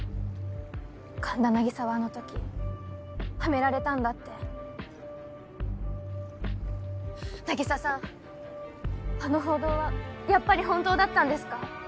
神田凪沙はあの時ハメられたんだって凪沙さんあの報道はやっぱり本当だったんですか？